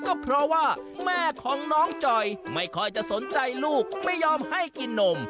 ก็เพราะว่าแม่ของน้องจอยไม่ค่อยจะสนใจลูกไม่ยอมให้กินนม